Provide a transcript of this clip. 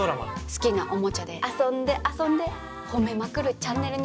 好きなおもちゃで遊んで遊んでほめまくるチャンネルにしようかと。